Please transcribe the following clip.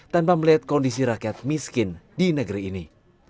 tanpa melihat kondisi rakyat miskin di negeri ini